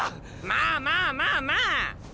まあまあまあまあ！